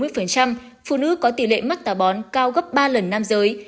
phụ nữ có tỷ lệ mắc tà bón cao gấp ba lần nam giới